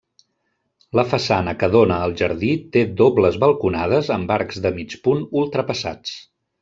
La façana que dóna al jardí té dobles balconades amb arcs de mig punt ultrapassats.